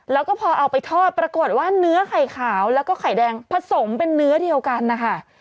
แล้วก็พอเอาไปทอดปรากฏว่าเนื้อไข่ขาวแล้วก็ไข่แดงผสมเป็นเนื้อเดียวกันนะคะ